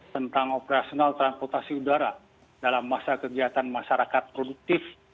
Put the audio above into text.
tentang operasional transportasi udara dalam masa kegiatan masyarakat produktif